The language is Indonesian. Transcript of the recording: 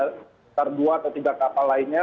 sekitar dua atau tiga kapal lainnya